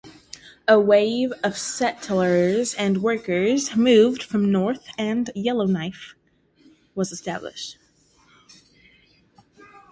A wave of settlers and workers moved North and Yellowknife was established.